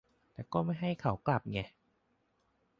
แต่ก็ไม่ให้เขากลับไง